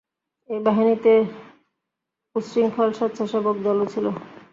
এই বাহিনীতে উশৃঙ্খল সেচ্ছাসেবক দলও ছিল।